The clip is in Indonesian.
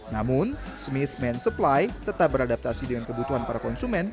namun smith man supply tetap beradaptasi dengan kebutuhan para konsumen